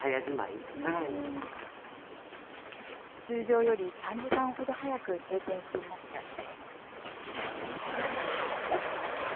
通常より３時間ほど早く閉店していました。